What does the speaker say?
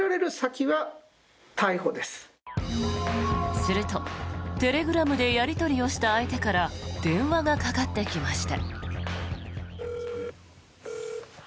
すると、テレグラムでやり取りをした相手から電話がかかってきました。